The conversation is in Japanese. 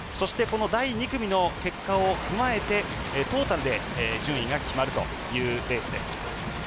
第２組の結果を踏まえてトータルで順位が決まるというレースです。